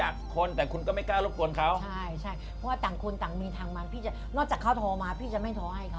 คุณก็ออกที่